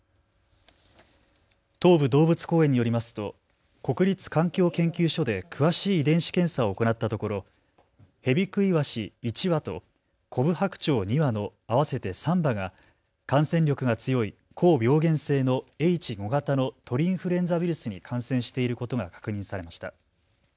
東武動物公園によりますと国立環境研究所で詳しい遺伝子検査を行ったところ、ヘビクイワシ１羽とコブハクチョウ２羽の合わせて３羽が感染力が強い高病原性のＨ５型の鳥インフルエンザウイルスに感染していることが確認されました。